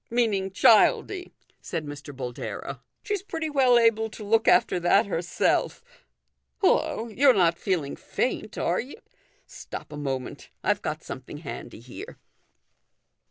Meaning Childie," said Mr. Boldero. " She's pretty well able to look after that herself. Hullo ! you're not feeling faint, are you ? Stop a moment ; I've got something handy here."